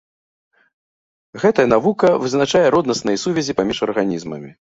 Гэтая навука вызначае роднасныя сувязі паміж арганізмамі.